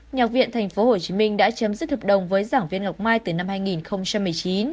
nhạc viện tp hcm đã chấm dứt hợp đồng với giảng viên ngọc mai từ năm hai nghìn một mươi chín